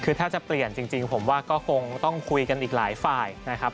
คือถ้าจะเปลี่ยนจริงผมว่าก็คงต้องคุยกันอีกหลายฝ่ายนะครับ